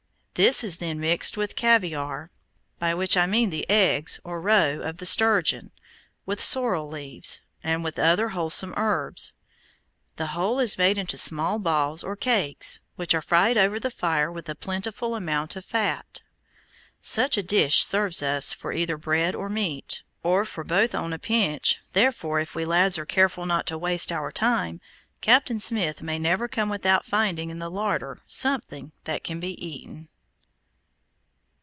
This is then mixed with caviare, by which I mean the eggs, or roe, of the sturgeon, with sorrel leaves, and with other wholesome herbs. The whole is made into small balls, or cakes, which are fried over the fire with a plentiful amount of fat. Such a dish serves us for either bread or meat, or for both on a pinch, therefore if we lads are careful not to waste our time, Captain Smith may never come without finding in the larder something that can be eaten.